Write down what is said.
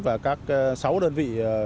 và các sáu đơn vị